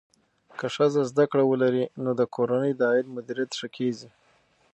که ښځه زده کړه ولري، نو د کورنۍ د عاید مدیریت ښه کېږي.